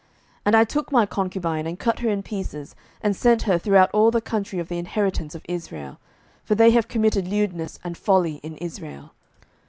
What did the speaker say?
07:020:006 And I took my concubine, and cut her in pieces, and sent her throughout all the country of the inheritance of Israel: for they have committed lewdness and folly in Israel.